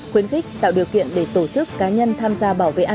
khuyến khích tạo điều kiện để tổ chức cá nhân tham gia bảo vệ an toàn